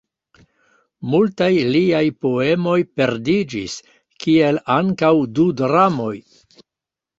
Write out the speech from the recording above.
Multaj liaj poemoj perdiĝis, kiel ankaŭ du dramoj.